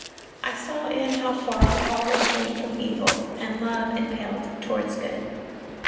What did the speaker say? I saw in how far law restrained from evil, and love impelled towards good.